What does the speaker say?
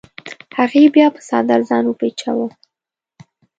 هغې بیا په څادر ځان وپیچوه.